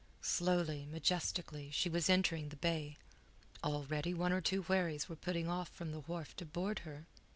Slowly, majestically, she was entering the bay. Already one or two wherries were putting off from the wharf to board her.